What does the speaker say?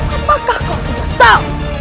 apakah kau tidak tahu